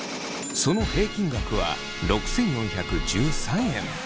その平均額は６，４１３円。